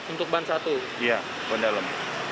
untuk ban satu iya ban dalam